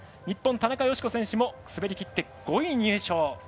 日本の田中佳子選手も滑りきって５位入賞。